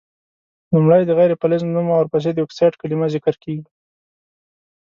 لومړی د غیر فلز نوم او ورپسي د اکسایډ کلمه ذکر کیږي.